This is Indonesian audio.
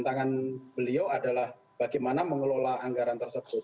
yang kedua adalah bagaimana mengelola anggaran tersebut